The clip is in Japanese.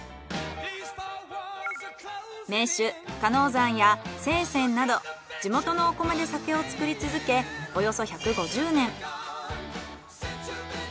銘酒鹿野山や聖泉など地元のお米で酒を造り続けおよそ１５０年。